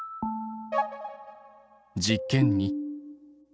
実験２。